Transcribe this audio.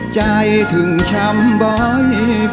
ถึงช้ำบ่อย